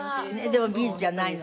でもビーズじゃないのね。